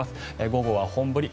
午後は本降り。